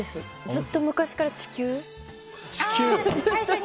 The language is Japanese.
ずっと昔から地球。